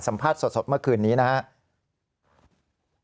ภาพสดเมื่อคืนนี้นะครับ